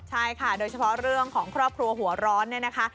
ใช่ค่ะโดยเฉพาะเรื่องของครอบครัวหัวร้อนเนี่ยนะคะ